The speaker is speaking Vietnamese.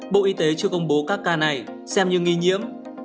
bộ y tế chưa công bố các ca này xem như nghi nhiễm